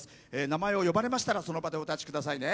名前を呼ばれましたらその場でお立ち下さいね。